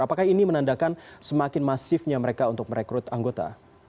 apakah ini menandakan semakin masifnya mereka untuk merekrut anggota